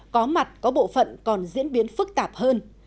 có mặt có bộ phận còn diễn biến phức tạp hơn